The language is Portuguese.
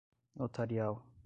notarial